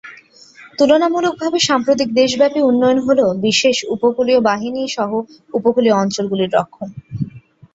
তুলনামূলকভাবে সাম্প্রতিক দেশব্যাপী উন্নয়ন হ'ল বিশেষ উপকূলীয় বাহিনী সহ উপকূলীয় অঞ্চলগুলির রক্ষণ।